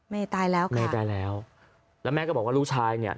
ตายแล้วค่ะเมตายแล้วแล้วแม่ก็บอกว่าลูกชายเนี่ย